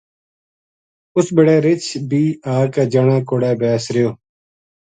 اُس بِڑے رچھ بی آ کے جنا کو ڑے بیس رہیو